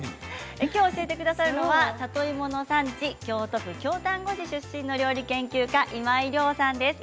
今日教えてくださるのは里芋の産地、京都府京丹後市出身の料理研究家、今井亮さんです。